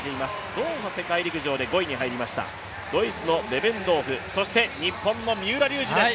ドーハ世界陸上で５位に入りましたドイツのベベンドーフ、そして日本の三浦龍司です。